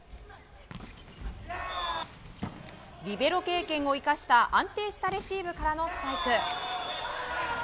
リベロ経験を生かした安定したレシーブからのスパイク。